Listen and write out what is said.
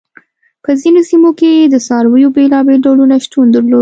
په ځینو سیمو کې د څارویو بېلابېل ډولونه شتون درلود.